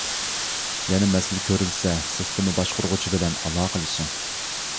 يەنە مەسىلە كۆرۈلسە سىستېما باشقۇرغۇچى بىلەن ئالاقىلىشىڭ.